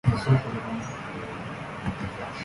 He hurdled every gate and fence across his path.